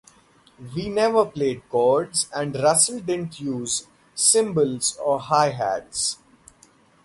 We never played chords and Russell didn't use cymbals or hi-hats.